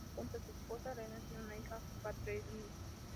Junto a su esposa Renee tiene una hija, Catherine.